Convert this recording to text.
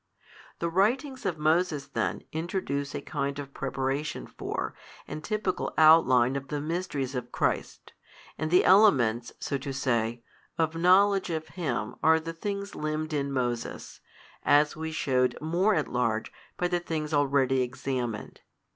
The writings of Moses then introduce a kind of preparation for, and typical outline |311 of the Mysteries of Christ, and the elements, so to say, of knowledge of Him are the things limned in Moses, as we shewed more at large by the things already examined.